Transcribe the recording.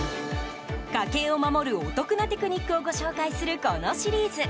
家計を守るお得なテクニックを紹介するこのシリーズ。